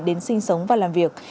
đến sinh sống và làm việc